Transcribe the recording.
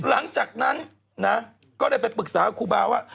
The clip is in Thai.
ตอนจากนั้นนะก็ได้ไปปรึกษากับครูบาวว่า